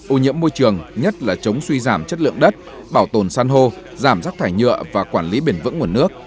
ô nhiễm môi trường nhất là chống suy giảm chất lượng đất bảo tồn san hô giảm rác thải nhựa và quản lý bền vững nguồn nước